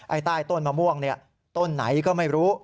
ใต้ต้นมะม่วงต้นไหนก็ไม่รู้